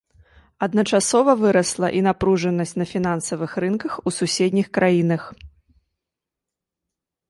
Адначасова вырасла і напружанасць на фінансавых рынках у суседніх краінах.